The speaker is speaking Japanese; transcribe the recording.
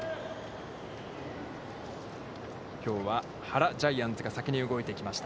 きょうは原ジャイアンツが先に動いてきました。